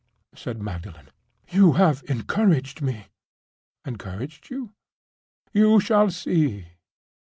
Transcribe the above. said Magdalen; "you have encouraged me." "Encouraged you?" "You shall see."